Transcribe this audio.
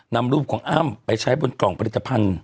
นำรูปของอ้ำไปใช้บนกล่องผลิตภัณฑ์